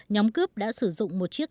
nhóm cướp đã sử dụng một chiếc